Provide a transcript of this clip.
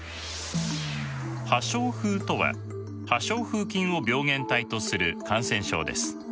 破傷風とは破傷風菌を病原体とする感染症です。